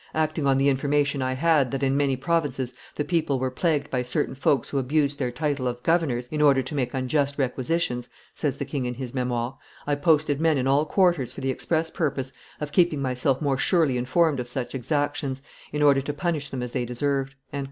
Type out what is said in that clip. "Acting on the information I had that in many provinces the people were plagued by certain folks who abused their title of governors in order to make unjust requisitions," says the king in his Memoires, "I posted men in all quarters for the express purpose of keeping myself more surely informed of such exactions, in order to punish them as they deserved."